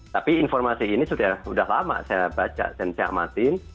tapi informasi ini sudah lama saya baca dan saya amatin